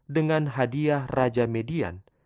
dengan hadiah raja median